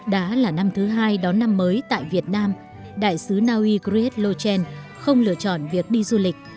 đã là năm thứ hai đón năm mới tại việt nam đại sứ naui griet lochen không lựa chọn việc đi du lịch